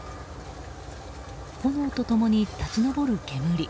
炎と共に立ち上る煙。